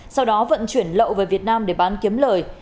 sau đó vận chuyển lậu về việt nam để bán kiếm lời